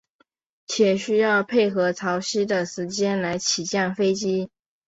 且需要配合潮汐的时间来起降飞机。